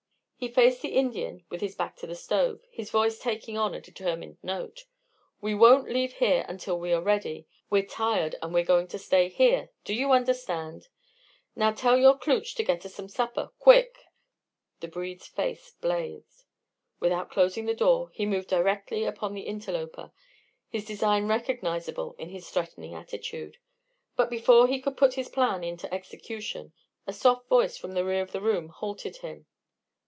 _" He faced the Indian with his back to the stove, his voice taking on a determined note. "We won't leave here until we are ready. We're tired, and we're going to stay here do you understand? Now tell your 'klootch' to get us some supper. Quick!" The breed's face blazed. Without closing the door, he moved directly upon the interloper, his design recognizable in his threatening attitude; but before he could put his plan into execution, a soft voice from the rear of the room halted him.